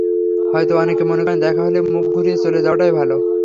হয়তো অনেকে মনে করেন দেখা হলে মুখ ঘুরিয়ে চলে যাওয়াটাই ভালো।